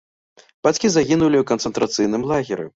Бацькі загінулі ў канцэнтрацыйным лагеры.